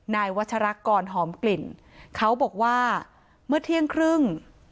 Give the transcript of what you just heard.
นายวัชรกรหอมกลิ่นเขาบอกว่าเมื่อเที่ยงครึ่ง